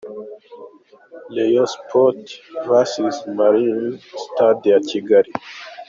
Rayon Sports vs Marines –Sitade ya Kigali.